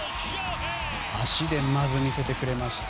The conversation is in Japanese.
足でまず見せてくれました。